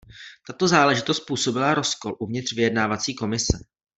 Tato záležitost způsobila rozkol uvnitř vyjednávací komise.